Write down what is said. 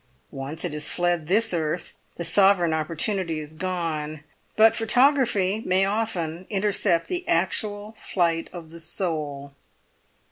Once it has fled this earth, the sovereign opportunity is gone; but photography may often intercept the actual flight of the soul."